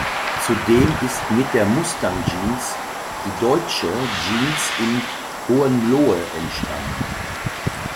Zudem ist mit der Mustang Jeans die „deutsche“ Jeans in Hohenlohe entstanden.